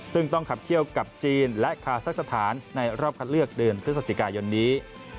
ซึ่งต้องขับเที่ยวกับจีนและคาซักสถานในรอบคัดเลือกเดือนพฤศจิกายนนี้